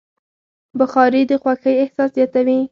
بخاري د خوښۍ احساس زیاتوي.